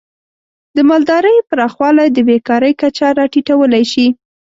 د مالدارۍ پراخوالی د بیکاری کچه راټیټولی شي.